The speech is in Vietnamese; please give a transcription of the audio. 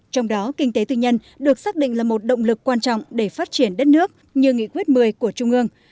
trong đó kinh tế tư nhân được xác định là một động lực quan trọng để phát triển đất nước như nghị quyết một mươi của trung ương